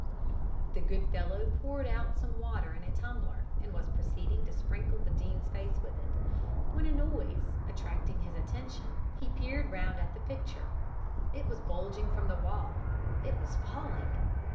"The good fellow poured out some water in a tumbler, and was proceeding to sprinkle the Dean's face with it, when, a noise attracting his attention, he peered round at the picture. It was bulging from the wall; it was falling!